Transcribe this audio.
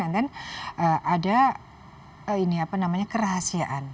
ada ini apa namanya kerahasiaan